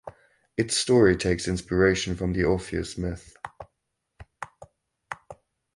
Its story takes inspiration from the Orpheus myth.